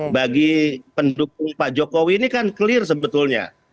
bagi pendukung pak jokowi ini kan clear sebetulnya